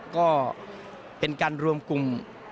ก็เป็นการรวมกลุ่ม